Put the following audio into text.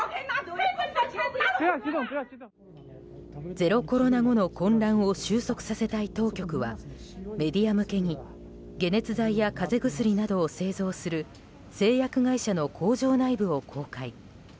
ゼロコロナ後の混乱を収束させたい当局はメディア向けに解熱剤や風邪薬などを製造する製薬会社の工場内部を公開。